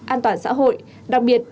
an toàn xã hội đặc biệt